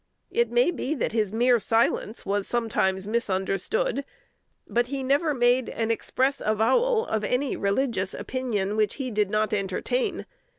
It may be that his mere silence was sometimes misunderstood; but he never made an express avowal of any religious opinion which he did not entertain.